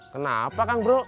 kenapa kang bro